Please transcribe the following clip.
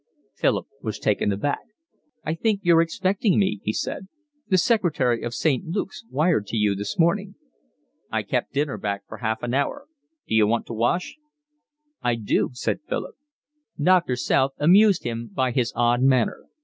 Philip was taken aback. "I think you're expecting me," he said. "The secretary of St. Luke's wired to you this morning." "I kept dinner back for half an hour. D'you want to wash?" "I do," said Philip. Doctor South amused him by his odd manner.